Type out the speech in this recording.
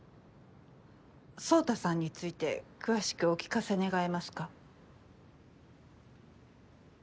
宗太さんについて詳しくお聞かせ願えますか？